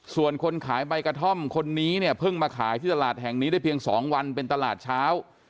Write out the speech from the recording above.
ส่วนคนขายใบกระท่อมคนนี้เนี่ยเพิ่งมาขายที่ตลาดแห่งนี้ได้เพียง๒วันเป็นตลาดเช้า